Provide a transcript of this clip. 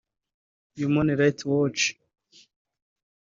Human Rights Watch